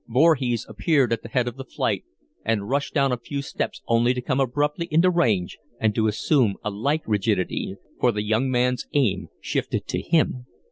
Voorhees appeared at the head of the flight and rushed down a few steps only to come abruptly into range and to assume a like rigidity, for the young man's aim shifted to him.